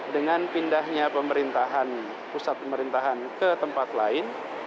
dengan pindahnya pemerintahan pusat pemerintahan ke tempat lain